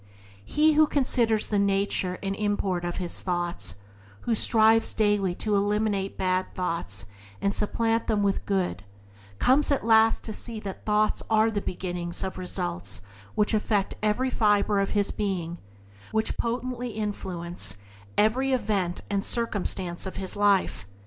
He who considers the nature and import of his thoughts, who strives daily to eliminate bad thoughts and supplant them with good, comes at last to see that thoughts are the beginnings of results which affect every fiber of his being, which potently influence every event and circumstance of his life.